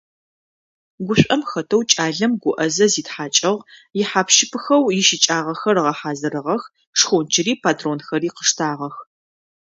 Гушӏом хэтэу кӏалэм гуӏэзэ зитхьакӏыгъ, ихьап-щыпыхэу ищыкӏагъэхэр ыгъэхьазырыгъэх, шхончыри патронхэри къыштагъэх.